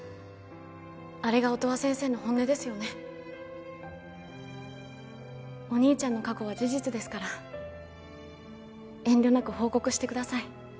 あれが音羽先生の本音ですよねお兄ちゃんの過去は事実ですから遠慮なく報告してください